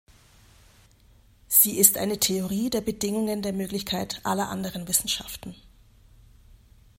Sie ist eine Theorie der Bedingungen der Möglichkeit aller anderen Wissenschaften.